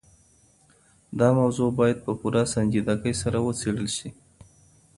دا موضوع بايد په پوره سنجيدګۍ سره وڅېړل سي.